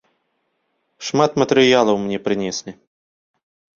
Шмат матэрыялаў мне прынеслі.